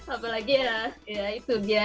apa lagi ya ya itu dia